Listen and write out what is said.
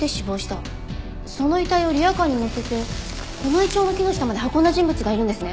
その遺体をリヤカーにのせてこのイチョウの木の下まで運んだ人物がいるんですね。